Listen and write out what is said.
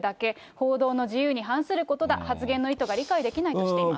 報道の自由に反することだ、発言の意図が理解できないとしています。